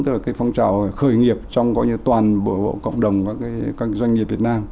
tức là cái phong trào khởi nghiệp trong toàn bộ cộng đồng doanh nghiệp việt nam